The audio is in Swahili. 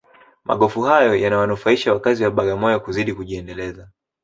magofu hayo yanawanufaisha wakazi wa bagamoyo kuzidi kujiendeleza